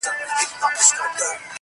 • ستا د څوڼو ځنگلونه زمـا بــدن خـوري.